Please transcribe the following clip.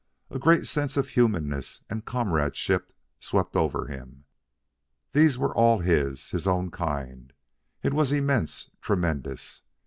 A great sense of humanness and comradeship swept over him. These were all his, his own kind. It was immense, tremendous.